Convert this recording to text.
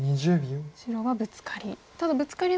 白はブツカリ。